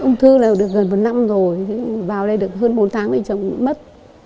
gần một năm rồi vào đây được hơn bốn tháng thì chồng mất